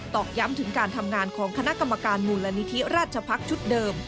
อกย้ำถึงการทำงานของคณะกรรมการมูลนิธิราชพักษ์ชุดเดิม